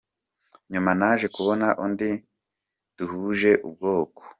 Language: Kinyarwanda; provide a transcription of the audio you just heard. Nyuma, naje kubona undi, duhuje ubwoko.